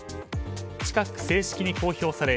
近く正式に公表され